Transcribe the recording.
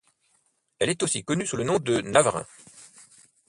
Elle est aussi connue sous le nom de Navarin.